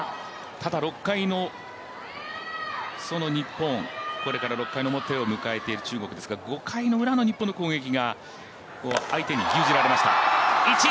ただ、６回の日本、これから６回の表を迎える中国ですが５回のウラの日本の攻撃が相手に牛耳られました。